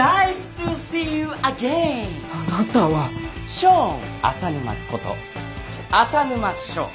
ショーン浅沼こと浅沼翔。